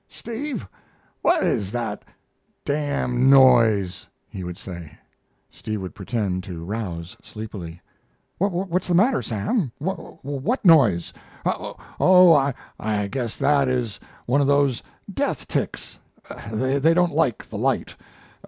"Steve, what is that d d noise?" he would say. Steve would pretend to rouse sleepily. "What's the matter, Sam? What noise? Oh, I guess that is one of those death ticks; they don't like the light.